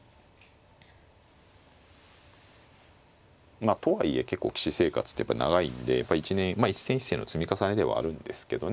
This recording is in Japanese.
まあとはいえ結構棋士生活って長いんでやっぱり一戦一戦の積み重ねではあるんですけどね。